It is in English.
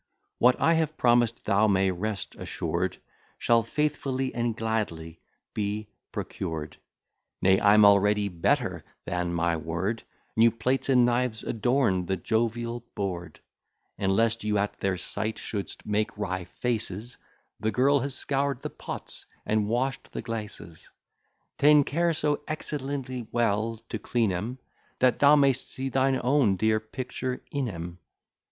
What I have promised, thou may'st rest assured Shall faithfully and gladly be procured. Nay, I'm already better than my word, New plates and knives adorn the jovial board: And, lest you at their sight shouldst make wry faces The girl has scour'd the pots, and wash'd the glasses Ta'en care so excellently well to clean 'em, That thou may'st see thine own dear picture in 'em.